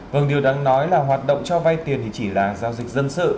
vâng điều đáng nói là hoạt động cho vay tiền thì chỉ là giao dịch dân sự